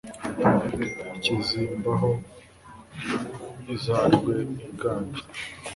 Ikizimba aho inzarwe iganje